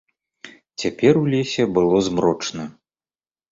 Цяпер у лесе было змрочна.